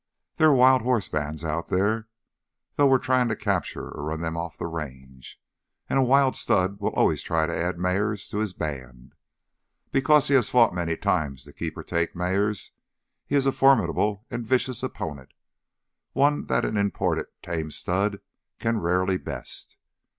"There are wild horse bands out there, though we're trying to capture or run them off the Range. And a wild stud will always try to add mares to his band. Because he has fought many times to keep or take mares, he is a formidable and vicious opponent, one that an imported, tamed stud can rarely best.